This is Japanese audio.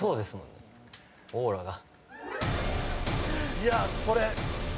いやこれ。